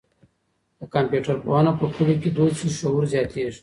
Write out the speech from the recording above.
که کمپيوټر پوهنه په کلیو کي دود شي، شعور زیاتېږي.